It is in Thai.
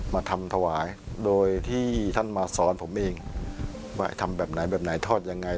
มาทำถวายโดยที่ท่านมาสอนผมเองว่าทำแบบไหนแบบไหนทอดยังไง